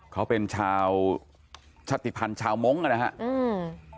เขาเป็นชาวชาติภัณฑ์ชาวมงค์นะครับอืม